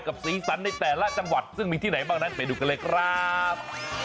สีสันในแต่ละจังหวัดซึ่งมีที่ไหนบ้างนั้นไปดูกันเลยครับ